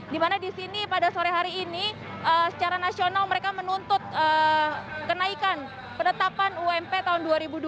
dimana di sini pada sore hari ini secara nasional mereka menuntut kenaikan penetapan ump tahun dua ribu dua puluh